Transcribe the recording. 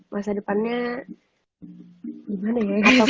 masa depannya gimana ya